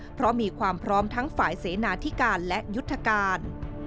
เพราะมีความพร้อมทั้งฝ่ายเสนาธิการและยุทธการ